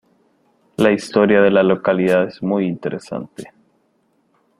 La historia de la localidad es muy interesante.